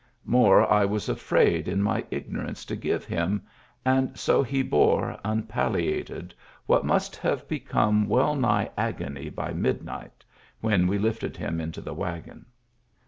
More I was afraid in my ignorance to give him, and so he bore, unpalliated, what must have become well nigh agony by midnight, when we lifted him into the wagon.